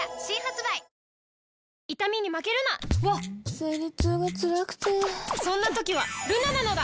わっ生理痛がつらくてそんな時はルナなのだ！